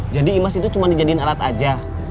jadi imas itu cuma dijadiin alat aja